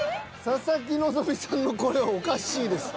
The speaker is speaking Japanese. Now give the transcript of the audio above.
佐々木希さんのこれおかしいです。